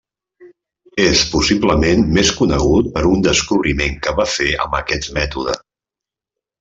És possiblement més conegut per un descobriment que va fer amb aquest mètode.